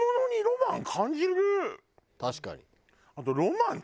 確かに。